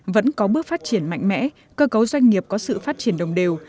vẫn có bước phát triển mạnh mẽ cơ cấu doanh nghiệp có sự phát triển đồng đều